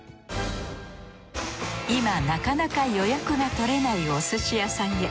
今なかなか予約が取れないお寿司屋さんへ。